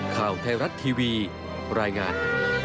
ข่าวไทยรัฐทีวีรายงาน